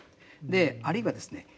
あるいはですね